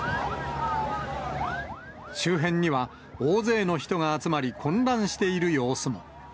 周辺には大勢の人が集まり、混乱している様子も。